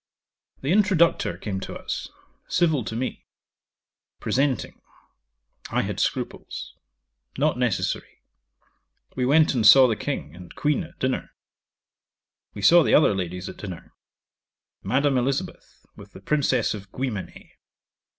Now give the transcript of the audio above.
'The introductor came to us; civil to me. Presenting. I had scruples. Not necessary. We went and saw the King and Queen at dinner. We saw the other ladies at dinner Madame Elizabeth, with the Princess of Guimené.